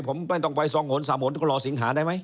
ผมไม่ต้องไปทรงหนสามหนก็รอสิงหาได้ไหม